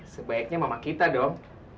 sebaiknya mama kita dong